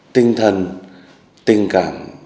tinh thần tình cảm